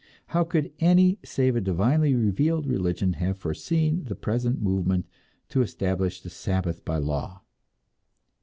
How could any save a divinely revealed religion have foreseen the present movement to establish the Sabbath by law?